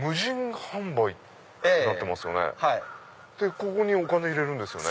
ここにお金入れるんですよね。